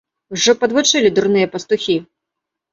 Ужо падвучылі дурныя пастухі!